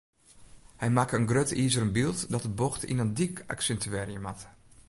Hy makke in grut izeren byld dat de bocht yn in dyk aksintuearje moat.